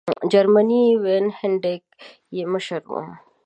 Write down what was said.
جرمنی وان هینټیګ یې مشر وو.